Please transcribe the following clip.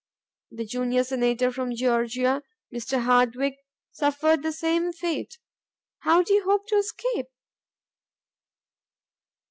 The junior Senator from Georgia [Mr. Hardwick] suffered the same fate. How do you hope to escape?